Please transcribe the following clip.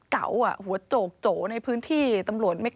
เขาว่ากันว่ากลุ่มวัยรุ่นที่มาร่วมก่อเหตุ